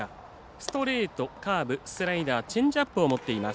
ストレート、カーブ、スライダーチェンジアップを持っています。